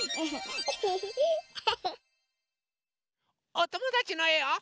おともだちのえを。